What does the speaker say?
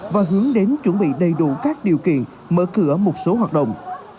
và hướng đến chuẩn bị đầy đủ các điều kiện mở cửa một số hoạt động